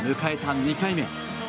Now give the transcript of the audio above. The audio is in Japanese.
２回目。